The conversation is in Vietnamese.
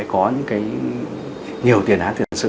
có nhiều tiền án tiền sự